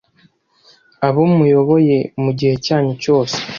abo muyoboye mugihe cyanyu cyose